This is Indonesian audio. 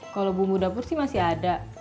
kalau bumbu dapur sih masih ada